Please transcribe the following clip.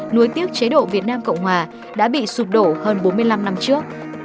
nuối tiếc chế độ việt nam cộng hòa đã bị sụp đổ hơn bốn mươi năm năm trước